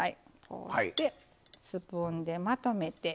こうしてスプーンでまとめて。